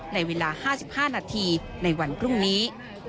ในเวลา๕๕นาทีในวันพรุ่งนี้